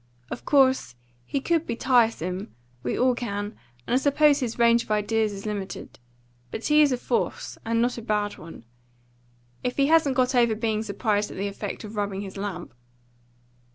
Of course he could be tiresome; we all can; and I suppose his range of ideas is limited. But he is a force, and not a bad one. If he hasn't got over being surprised at the effect of rubbing his lamp."